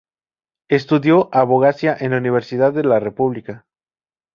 Estudió abogacía en la Universidad de la República.